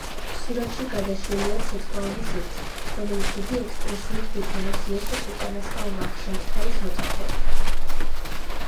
სურათში გადაშლილია ცეცხლოვანი სივრცე, რომელიც დიდი ექსპრესიით გვიჩვენებს იესოს უკანასკნელ ვახშამს თავის მოწაფეებთან.